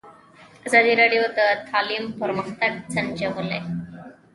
ازادي راډیو د تعلیم پرمختګ سنجولی.